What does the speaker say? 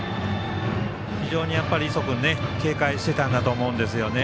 非常に磯君を警戒していたんだと思うんですよね。